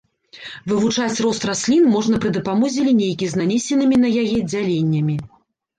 Вывучаць рост раслін можна пры дапамозе лінейкі з нанесенымі на яе дзяленнямі.